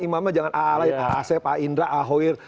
imamnya jangan aa lain aasef aindra ahoir